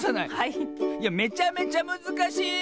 いやめちゃめちゃむずかしい！